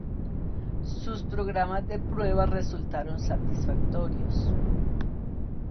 Sus programas de prueba resultaron satisfactorios.